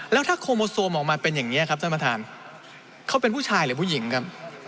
แล้วถ้าโคโมโซมออกมาเป็นอย่างนี้ครับท่านประธานเขาเป็นผู้ชายหรือผู้หญิงครับ